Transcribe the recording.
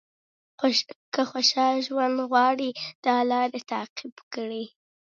که خوشاله ژوند غواړئ دا لارې تعقیب کړئ.